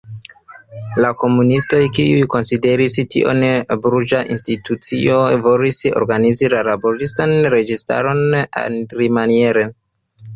La komunistoj, kiuj konsideris tion burĝa institucio, volis organizi la laboristan registaron alimaniere.